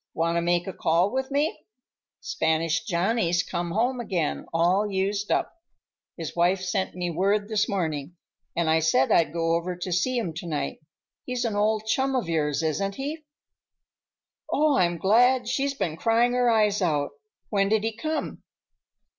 Want to make a call with me? Spanish Johnny's come home again, all used up. His wife sent me word this morning, and I said I'd go over to see him to night. He's an old chum of yours, isn't he?" "Oh, I'm glad. She's been crying her eyes out. When did he come?"